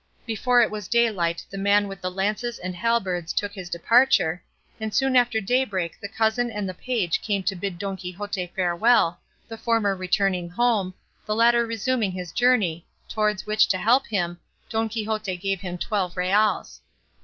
Before it was daylight the man with the lances and halberds took his departure, and soon after daybreak the cousin and the page came to bid Don Quixote farewell, the former returning home, the latter resuming his journey, towards which, to help him, Don Quixote gave him twelve reals.